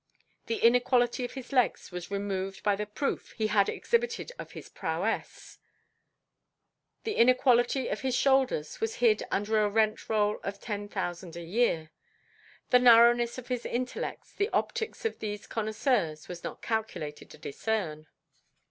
The inequality of his legs was removed by the proof he had exhibited of his prowess. The inequality of his shoulders was hid under a rent roll of ten thousand a year. And the narrowness of his intellects, the optics of these connoisseurs were not calculated to discern.